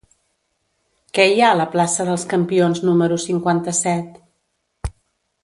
Què hi ha a la plaça dels Campions número cinquanta-set?